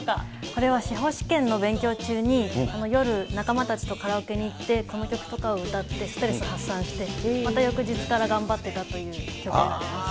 これは司法試験の勉強中に、夜、仲間たちとカラオケに行って、この曲とかを歌ってストレス発散して、また翌日から頑張ってたという曲です。